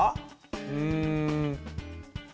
うん。